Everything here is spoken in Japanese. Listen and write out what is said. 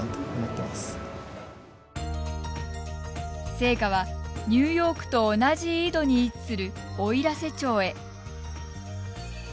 聖火は、ニューヨークと同じ緯度に位置するおいらせ町へ。